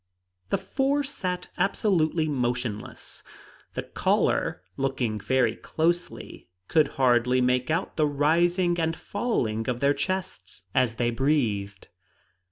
The four sat absolutely motionless; the caller, looking very closely, could hardly make out the rising and falling of their chests as they breathed.